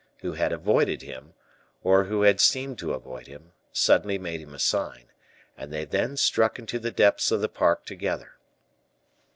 who had avoided him, or who had seemed to avoid him, suddenly made him a sign, and they then struck into the depths of the park together.